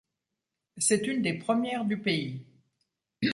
C'est une des premières du pays.